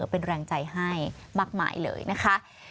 เป็นแรงใจให้มากมายเลยนะคะ